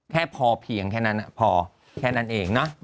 แค่พอเพียงแค่นั้นเอง